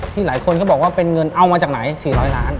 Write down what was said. หลายคนก็บอกว่าเป็นเงินเอามาจากไหน๔๐๐ล้าน